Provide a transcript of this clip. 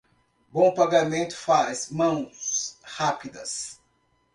Bom pagamento faz mãos rápidas.